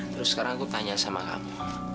terus sekarang aku tanya sama kamu